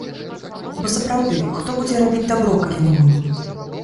Бо сапраўды, хто будзе рабіць дабро, калі не мы?